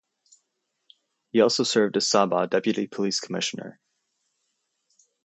He also served as Sabah Deputy Police Commissioner.